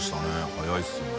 早いですね。